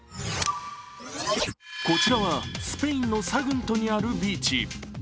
こちらはスペインのサグントにあるビーチ。